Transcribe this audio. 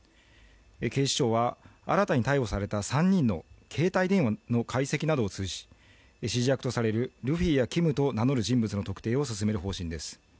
警視庁は、新たに逮捕された３人の携帯電話の解析などを通じ指示役とされるルフィやＫｉｍと名乗る人物の特定を進める方針です。